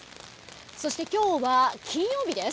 そして、今日は金曜日です。